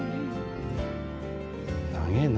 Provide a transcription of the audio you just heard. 長えな。